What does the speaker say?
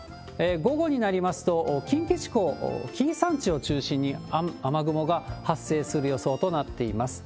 午後になりますと、近畿地方、紀伊山地を中心に雨雲が発生する予想となっています。